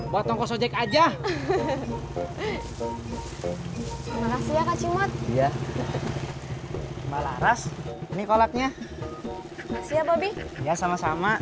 buat toko sojek aja makasih ya kacung ya malah ras ini kolaknya